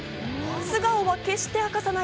素顔は決して明かさない